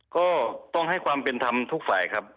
ก็ต้องให้ความเป็นธรรมทุกฝ่ายครับ